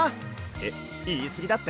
えっいいすぎだって？